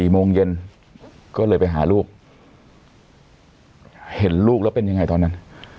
โมงเย็นก็เลยไปหาลูกเห็นลูกแล้วเป็นยังไงตอนนั้น